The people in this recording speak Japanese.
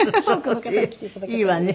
いいわね。